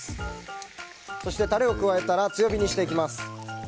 そして、タレを加えたら強火にしていきます。